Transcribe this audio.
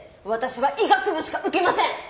私は医学部しか受けません。